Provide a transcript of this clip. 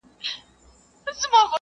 كوې راته اوس هم